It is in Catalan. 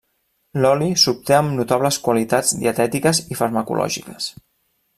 L'oli s’obté amb notables qualitats dietètiques i farmacològiques.